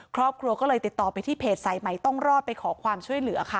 ครอบครัวก็เลยติดต่อไปที่เพจสายใหม่ต้องรอดไปขอความช่วยเหลือค่ะ